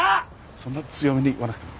そんな強めに言わなくても。